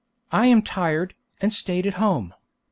I am tired, and stayed at home.